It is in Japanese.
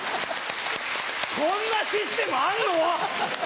こんなシステムあんの？